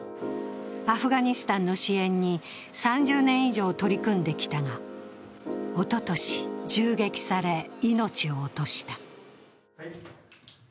アフガニスタンの支援に３０年以上取り組んできたがおととし銃撃され、命を落とした。